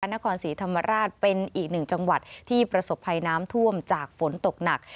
นครศรีธรรมราชเป็นอีกหนึ่งจังหวัดที่ประสบภัยน้ำท่วมจากฝนตกหนัก